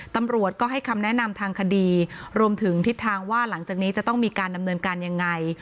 ตำรวจก็ให้คำแนะนำทางคดีรวมถึงทิศทางว่าหลังจากนี้จะต้องมีการดำเนินการยังไง